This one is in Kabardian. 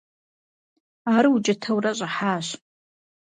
Ар укӀытэурэ щӀыхьащ.